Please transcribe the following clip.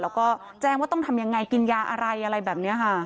แล้วก็แจ้งว่าต้องทำยังไงกินยาอะไรอะไรแบบนี้ค่ะ